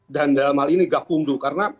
dan dalam hal ini gak kunduh karena